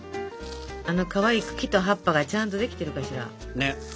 あのかわいい茎と葉っぱがちゃんとできてるかしら。ね。